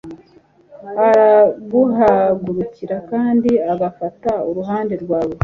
araguhagurukira kandi agafata uruhande rwawe